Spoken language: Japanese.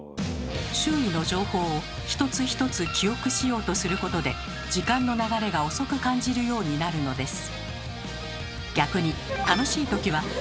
周囲の情報を一つ一つ記憶しようとすることで時間の流れが遅く感じるようになるのです。